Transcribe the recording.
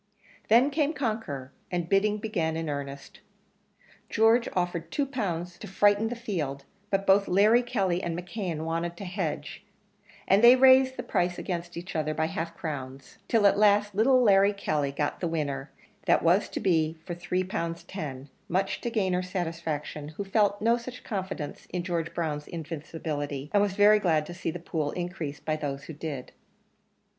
Then came Conqueror, and bidding began in earnest. George offered two pound to frighten the field; but both Larry Kelly and McKeon wanted to hedge, and they raised the price against each other by half crowns, till at last little Larry Kelly got the winner, that was to be, for three pound ten, much to Gayner's satisfaction, who felt no such confidence in George Brown's invincibility, and was very glad to see the pool increased by those who did.